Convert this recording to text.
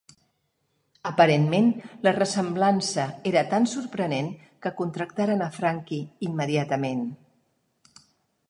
Aparentment, la ressemblança era tan sorprenent que contractaren a Frankie immediatament.